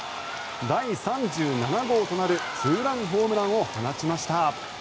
第３７号となるツーランホームランを放ちました。